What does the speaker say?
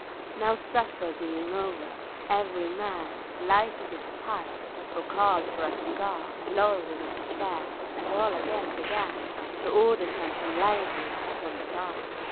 Now supper being over, every man Lighted his pipe or called for a cigar, Lolled in his chair—and all again began To order "something lively" from the bar.